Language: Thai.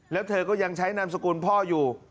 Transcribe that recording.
แล้วเธอก็ยังใช้นามสกุลพ่ออยู่